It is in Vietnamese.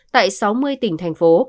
tại sáu mươi tỉnh thành phố